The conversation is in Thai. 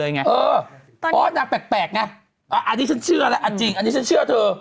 เลยไงแปลกแปลกไงแอ้ออันนี้ฉันเชื่อแหละอ่าจริงอันนี้ฉันเชื่อเธอ